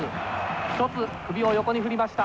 １つ首を横に振りました。